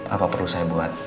apa perlu saya buat